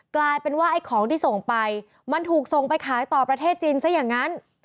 กลายเป็นว่าไอ้ของที่ส่งไปมันถูกส่งไปขายต่อประเทศจีนซะอย่างนั้น